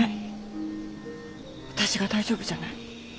私が大丈夫じゃない。